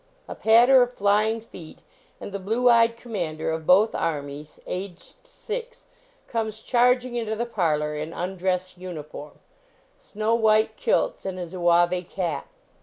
A patter of flying feet, and the blue eyed commander of both armies, aged six, comes charging into the parlor in undress uniform snow white kilt* and a zouave cap.